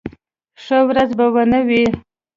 ښه ورځ به و نه وي.